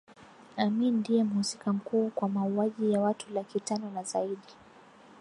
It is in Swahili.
Amin ndiye mhusika mkuu kwa mauaji ya watu laki tano na zaidi